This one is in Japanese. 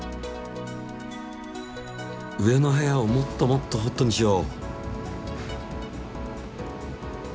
上の部屋をもっともっとホットにしよう！